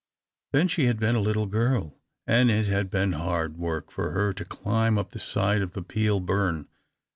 Then she had been a little girl, and it had been hard work for her to climb up the side of the Peel burn.